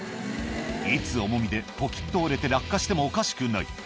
いつ重みでポキっと折れて落下してもおかしくない